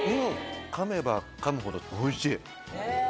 かめばかむほどおいしい。